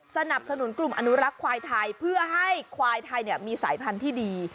สนับสนุนกลุ่มอนุรักษ์ควายไทยเพื่อให้ควายไทยมีสายพันธุ์ที่ดี